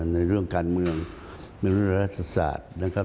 ในเรื่องการเมืองในเรื่องรัฐศาสตร์นะครับ